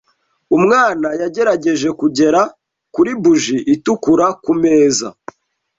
Umwana yagerageje kugera kuri buji itukura kumeza.